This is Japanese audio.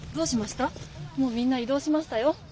もうみんないどうしましたよ。